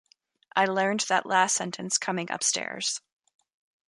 I learned that last sentence coming upstairs.